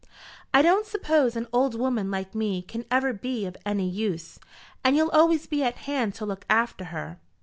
"I don't suppose an old woman like me can ever be of any use, and you'll always be at hand to look after her.